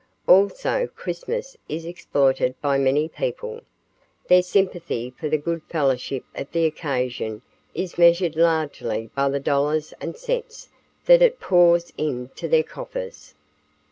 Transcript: Also Christmas is exploited by many people. Their sympathy for the good fellowship of the occasion is measured largely by the dollars and cents that it pours into their coffers.